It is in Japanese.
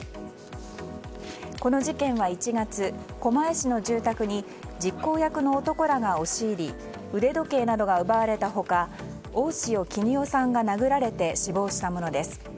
この事件は１月、狛江市の住宅に実行役の男らが押し入り腕時計などが奪われた他大塩衣与さんが殴られて死亡したものです。